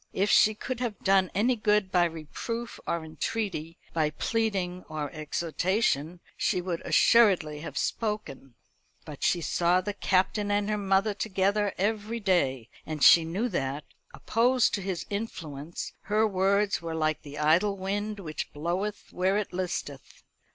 If she could have done any good by reproof or entreaty, by pleading or exhortation, she would assuredly have spoken; but she saw the Captain and her mother together every day, and she knew that, opposed to his influence, her words were like the idle wind which bloweth where it listeth.